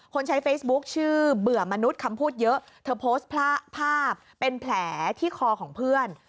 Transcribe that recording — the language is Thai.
ใช้เฟซบุ๊คชื่อเบื่อมนุษย์คำพูดเยอะเธอโพสต์ภาพเป็นแผลที่คอของเพื่อน